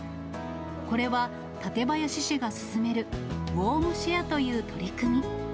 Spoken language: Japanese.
これは館林市が進めるウォームシェアという取り組み。